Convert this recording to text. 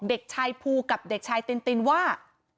เด็กชายภูกับเด็กชายตินตินว่า